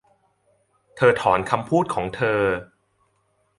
เธอถอนคำพูดของเธอ